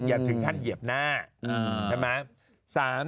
อย่าถึงท่านเหยียบหน้าใช่มั้ย